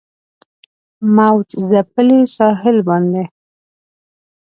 موج ځپلي ساحل باندې